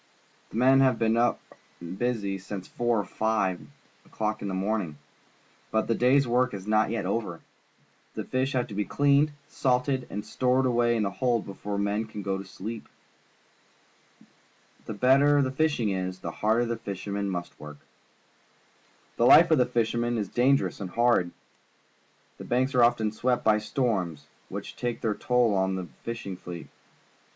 The men have been up and busy since four or five o'clock in the morning, but the day's work is not yet over. The fish have to be cleaned, salted, and stored away in the hold before the men can go to sleep. The better the fish ing is, the harder the fishermen must work. Drying Fish, Nova Scotia The fish are dried on racks in the open air. The life of the fishermen is dangerous and hai d. The Banks are often swept by storms, which take tlieir toll of the fishing fleet.